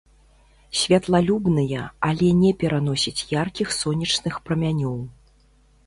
Святлалюбныя, але не пераносяць яркіх сонечных прамянёў.